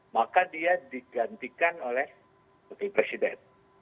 maka dia digantikan oleh presiden